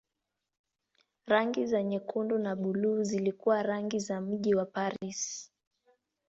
Rangi za nyekundu na buluu zilikuwa rangi za mji wa Paris.